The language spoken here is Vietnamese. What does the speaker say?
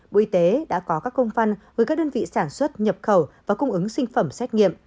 bộ y tế đã có các công văn gửi các đơn vị sản xuất nhập khẩu và cung ứng sinh phẩm xét nghiệm